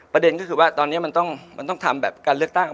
ประเด็นก็คือว่าตอนนี้มันต้องทำแบบการเลือกตั้ง